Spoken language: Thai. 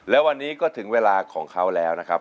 แล้ววันนี้ก็ถึงเวลาของเขาแล้วนะครับ